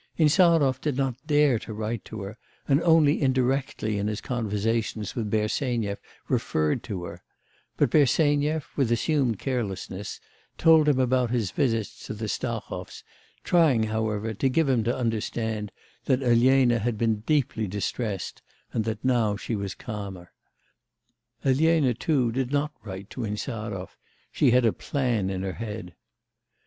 Insarov did not dare to write to her, and only indirectly in his conversations with Bersenyev referred to her; but Bersenyev, with assumed carelessness, told him about his visits to the Stahovs, trying, however, to give him to understand that Elena had been deeply distressed, and that now she was calmer. Elena too did not write to Insarov; she had a plan in her head.